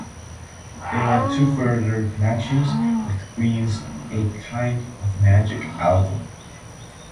There are two further connections with Queen's "A Kind of Magic" album.